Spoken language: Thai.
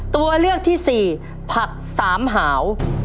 ตัวเลือกที่สี่ผักสามหาว